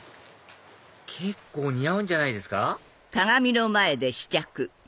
結構似合うんじゃないですか？